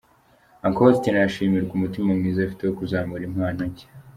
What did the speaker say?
Uncle Austin arashimirwa umutima mwiza afite wo kuzamura impano nshya.